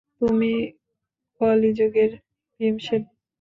তুমি কলিযুগের ভীমসেন!